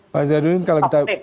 pak zadun kalau kita